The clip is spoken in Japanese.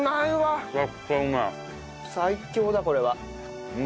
最強だこれは。